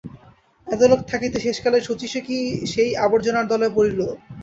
এত লোক থাকিতে শেষকালে শচীশই কি সেই আবর্জনার দলে পড়িল?